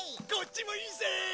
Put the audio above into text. こっちもいいぜ！